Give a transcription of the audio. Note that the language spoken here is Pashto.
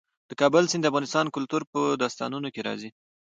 د کابل سیند د افغان کلتور په داستانونو کې راځي.